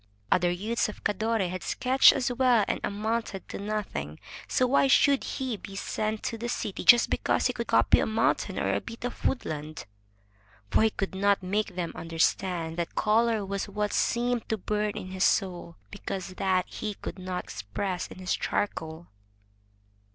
Other youths of Cadore had sketched as well and amounted to nothing. So why should he be sent to the city just because he could copy a mountain or a bit of woodland? For he could not make them understand that color was what seemed to bum in his soul, because that he could not express with charcoal.